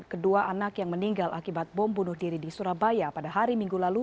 kedua anak yang meninggal akibat bom bunuh diri di surabaya pada hari minggu lalu